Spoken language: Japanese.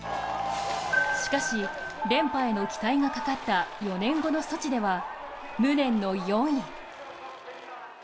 しかし、連覇への期待がかかった４年後のソチでは無念の４位。